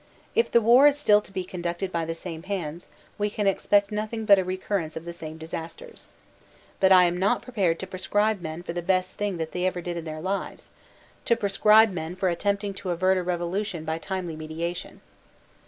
If the war is still to be conducted by the same hands, we can expect nothing but a recurrence of the same disasters. But I am not prepared to proscribe men for the best thing that they ever did in their lives, to proscribe men for attempting to avert a revolution by timely mediation."